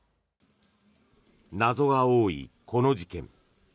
謎が多い、この事件。